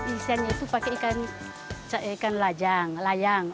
isiannya itu pakai ikan lajang layang